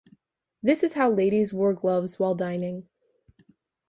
This is how ladies wore gloves while dining.